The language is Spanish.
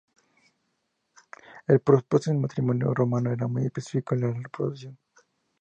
El propósito del matrimonio romano era muy específico, la reproducción.